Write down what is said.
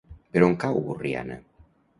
Per on cau Borriana?